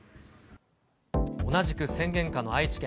同じく宣言下の愛知県。